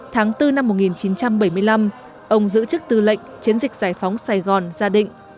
tháng bốn năm một nghìn chín trăm bảy mươi năm ông giữ chức tư lệnh chiến dịch giải phóng sài gòn ra định